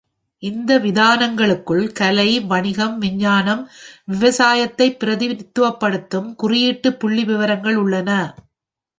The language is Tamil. இந்த விதானங்களுக்குள் கலை, வணிகம், விஞ்ஞானம், விவசாயத்தைப் பிரதிநிதித்துவப்படுத்தும் குறியீட்டு புள்ளிவிவரங்கள் உள்ளன.